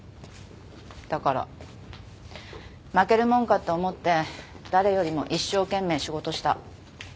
だから負けるもんかって思って誰よりも一生懸命仕事した。